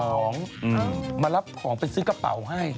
มารับของไปซื้อกระเป๋าให้